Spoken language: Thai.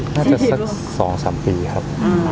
น่าจะสัก๒๓ปีครับ